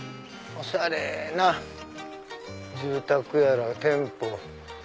おしゃれな住宅やら店舗。